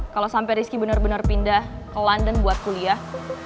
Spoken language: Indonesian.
kalo sampe riski bener bener pindah ke london buat kuliah